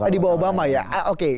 di bawah obama ya oke